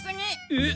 えっ！